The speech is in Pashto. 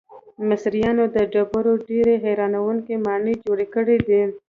مصریانو د ډبرو ډیرې حیرانوونکې ماڼۍ جوړې کړې دي.